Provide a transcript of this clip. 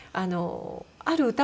ある歌